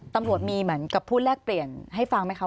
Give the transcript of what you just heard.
ตำรวจมีเหมือนกับพูดแลกเปลี่ยนให้ฟังไหมคะ